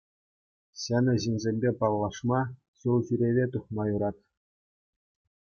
Ҫӗнӗ ҫынсемпе паллашма, ҫул ҫӳреве тухма юрать.